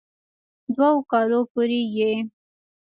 دوؤ کالو پورې ئې